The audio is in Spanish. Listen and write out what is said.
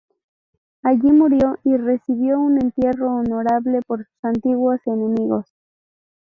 Allí murió y recibió un entierro honorable por sus antiguos enemigos.